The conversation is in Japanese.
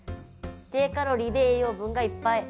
ていカロリーで栄養分がいっぱい。